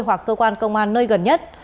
hoặc cơ quan công an nơi gần nhất